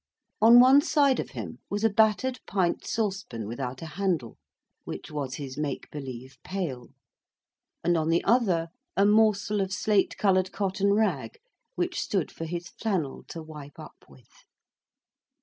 On one side of him was a battered pint saucepan without a handle, which was his make believe pail; and on the other a morsel of slate coloured cotton rag, which stood for his flannel to wipe up with.